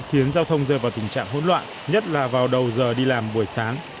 khiến giao thông rơi vào tình trạng hỗn loạn nhất là vào đầu giờ đi làm buổi sáng